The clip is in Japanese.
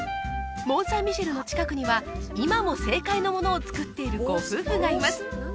モン・サン・ミシェルの近くには今も正解のものを作っているご夫婦がいます